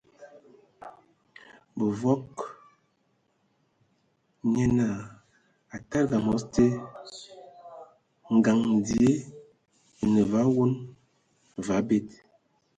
Bǝvɔg nye naa a tadigi amos te, ngaŋ dzie e ne ve awon, və abed.